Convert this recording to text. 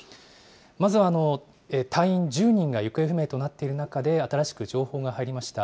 まず隊員１０名が行方不明となっている中で、新しく情報が入りました。